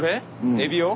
エビを？